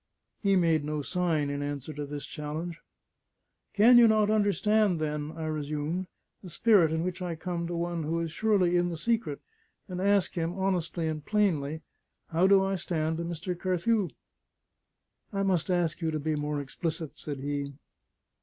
He made no sign in answer to this challenge. "Can you not understand, then," I resumed, "the spirit in which I come to one who is surely in the secret, and ask him, honestly and plainly: How do I stand to Mr. Carthew?" "I must ask you to be more explicit," said he.